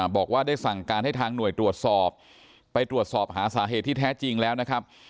บอกว่าได้สั่งการให้ทางหน่วยตรวจสอบไปตรวจสอบหาสาเหตุที่แท้จริงแล้วนะครับ